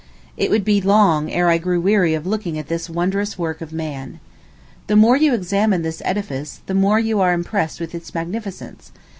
It would be long ere I grew weary of looking at this wondrous work of man. The more you examine this edifice, the more you are impressed with its magnificence.